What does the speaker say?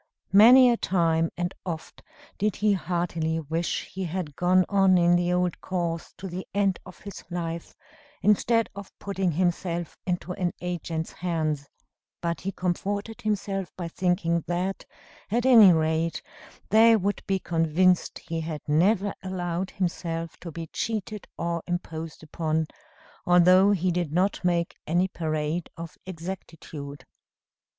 Many a time and oft did he heartily wish he had gone on in the old course to the end of his life, instead of putting himself into an agent's hands; but he comforted himself by thinking that, at any rate, they would be convinced he had never allowed himself to be cheated or imposed upon, although he did not make any parade of exactitude.